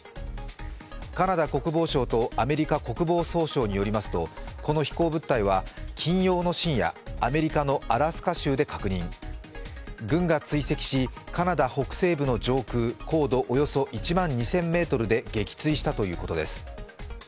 カナダ国防省とアメリカ国防総省によりますとこの飛行物体は金曜の深夜、アメリカのアラスカ州で発見、軍が追跡しカナダ北西部の上空高度およそ１万２０００ｍで撃墜したということです。